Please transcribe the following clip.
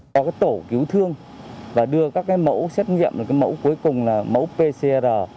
tổ cứu thương và đưa các mẫu xét nghiệm mẫu cuối cùng là mẫu pcr